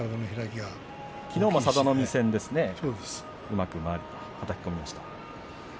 きのうも佐田の海戦うまくはたき込みました。